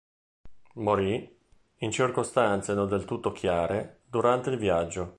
Morì, in circostanze non del tutto chiare, durante il viaggio.